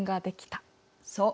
そう。